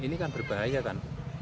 ini kan berbahaya kan